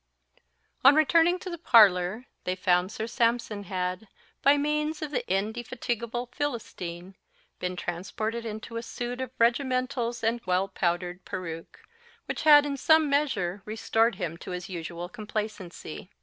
_ ON returning to the parlour they found Sir Sampson had, by means of the indefatigable Philistine, been transported into a suit of regimentals and well powdered peruke, which had in some measure restored him to his usual complacency.